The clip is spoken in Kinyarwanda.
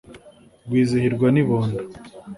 Rwizihirwa nibondo